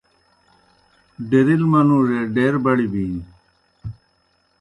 ڈیرِل منُوڙے ڈیر بڑیْ بِینیْ۔